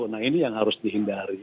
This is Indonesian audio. nah ini yang harus dihindari